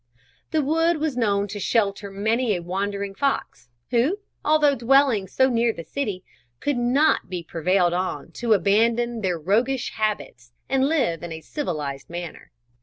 The wood was known to shelter many a wandering fox, who, although dwelling so near the city, could not be prevailed on to abandon their roguish habits and live in a civilised manner.